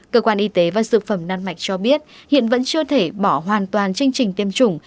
cơ quan y tế và dược phẩm đan mạch cho biết hiện vẫn chưa thể bỏ hoàn toàn chương trình tiêm chủng